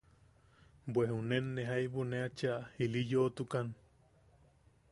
Be junuen ne jaibu ne chea ili yoʼotukan.